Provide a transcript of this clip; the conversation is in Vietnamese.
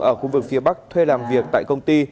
ở khu vực phía bắc thuê làm việc tại công ty